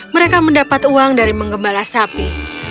mereka mendapat uang dari menggembala sapi